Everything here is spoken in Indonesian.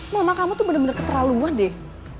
mama kamu tuh bener bener keterlaluan deh